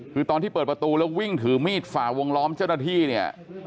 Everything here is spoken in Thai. คือตอนที่เปิดประตูแล้ววิ่งถือมีดฝ่าวงล้อมเจ้าหน้าที่เนี่ย